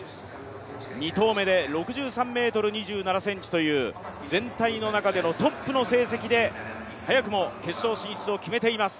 ２投目で６３ｍ２７ｃｍという、全体の中でのトップの成績で早くも決勝進出を決めています。